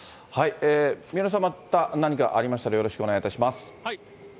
三浦さん、また何かありましたらよろしくお願いいたします。